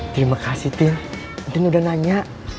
terima kasih tintin udah nanya